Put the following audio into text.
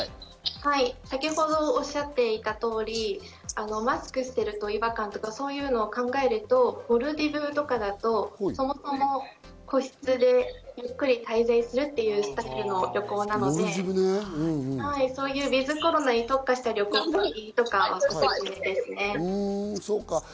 先ほどおっしゃっていた通り、マスクしていると違和感とか、そういうのを考えると、モルディブとかだと、そもそも個室でゆっくり滞在するという、そういうｗｉｔｈコロナに特化した旅行とかがおすすめですね。